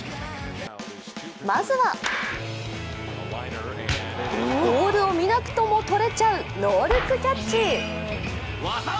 まずは、ボールを見なくともとれちゃうノールックキャッチ。